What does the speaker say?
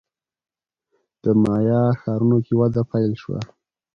د مایا ښارونو کې وده پیل شوه.